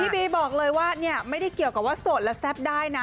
บีบอกเลยว่าเนี่ยไม่ได้เกี่ยวกับว่าโสดแล้วแซ่บได้นะ